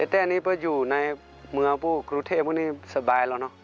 แต่อันนี้พออยู่ในเมืองพวกกรุงเทพพวกนี้สบายแล้วเนอะ